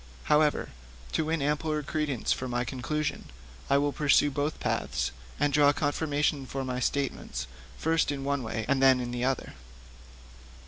However, to win ampler credence for my conclusion, I will pursue both paths, and draw confirmation for my statements first in one way and then in the other.